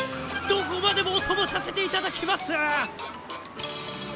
どこまでもお供させていただきます！